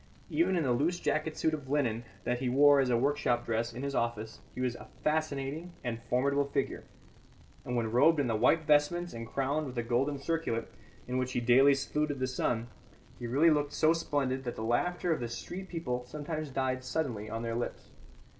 Even in the loose jacket suit of linen that he wore as a workshop dress in his office he was a fascinating and formidable figure; and when robed in the white vestments and crowned with the golden circlet, in which he daily saluted the sun, he really looked so splendid that the laughter of the street people sometimes died suddenly on their lips.